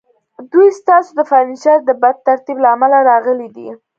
دوی ستاسو د فرنیچر د بد ترتیب له امله راغلي دي